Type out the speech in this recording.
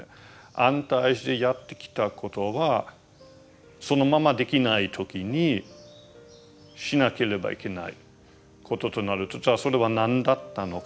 安泰寺でやってきたことはそのままできない時にしなければいけないこととなるとじゃあそれは何だったのかと。